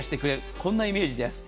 こんなイメージです。